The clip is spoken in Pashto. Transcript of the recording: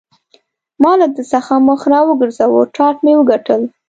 ما له ده څخه مخ را وګرځاوه، ټاټ مې وکتل.